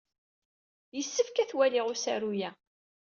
Yessefk ad t-waliɣ usaru-ya.